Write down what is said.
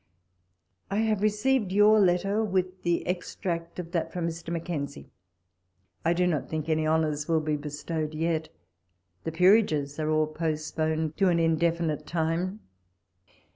I HAVE received your letter, with the extract of that from Mr. Mackenzie. I do not think any honouis will be bestowed yet. The Peerages are all postponed to an indefinite time.